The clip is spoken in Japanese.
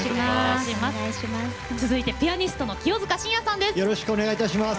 続いてピアニストの清塚信也さんです。